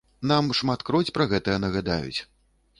Нам шматкроць пра гэтае нагадаюць.